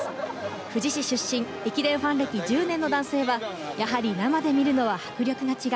富士市出身、駅伝ファン歴１０年の男性はやはり生で見るのは迫力が違う。